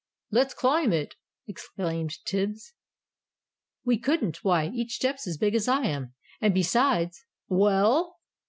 "Let's climb it!" exclaimed Tibbs. "We couldn't, why each step's as big as I am. And besides " "Well?"